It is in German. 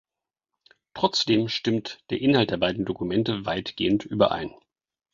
Trotzdem stimmt der Inhalt der beiden Dokumente weitgehend überein.